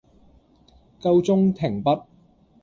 夠鐘，停筆